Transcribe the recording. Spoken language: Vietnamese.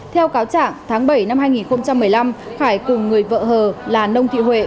theo cáo trạng tháng bảy năm hai nghìn một mươi năm khải cùng người vợ hờ là nông thị huệ